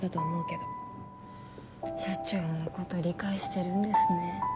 社長の事理解してるんですね。